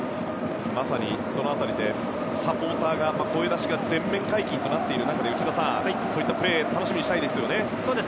まさに、その辺りでサポーターが声出しが全面解禁となっている中で内田さんそういったプレーを楽しみにしたいですね。